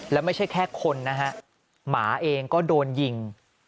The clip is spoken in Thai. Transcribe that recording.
แล้วไม่ใช่แค่คนนะฮะหมาเองก็โดนยิง